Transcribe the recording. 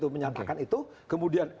menyampaikan itu kemudian